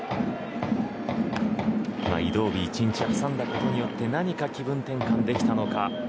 移動日１日挟んだことによって何か気分転換できたのか。